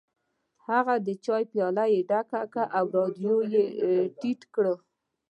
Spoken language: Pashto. هغه د چای پیاله ډکه کړه او رادیو یې ټیټه کړه